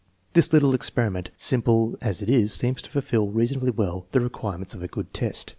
This little experiment, simple as it is, seems to fulfill reasonably well the requirements of a good test.